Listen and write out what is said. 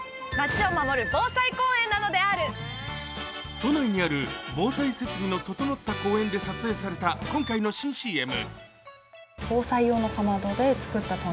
都内にある防災設備の整った公園で撮影された今回の新ＣＭ。